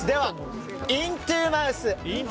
イントゥーマウス！